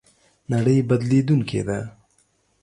نړۍ بدلېدونکې ده